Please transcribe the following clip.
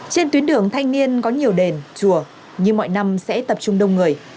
trên tuyến đường thanh niên có nhiều đền chùa như mọi năm sẽ tập trung đông người